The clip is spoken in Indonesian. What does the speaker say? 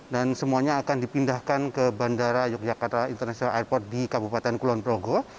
dan semuanya akan dipindahkan ke bandara yogyakarta international airport di kabupaten kulon progo